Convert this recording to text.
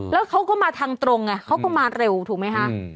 แล้วเขาก็มาทางตรงไงเขาก็มาเร็วถูกไหมคะ